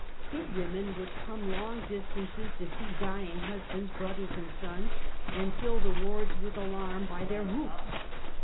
Good women would come long distances to see dying husbands, brothers and sons, and fill the wards with alarm by their hoops.